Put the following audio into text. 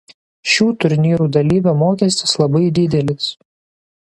Šių turnyrų dalyvio mokestis labai didelis.